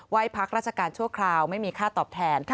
ให้พักราชการชั่วคราวไม่มีค่าตอบแทน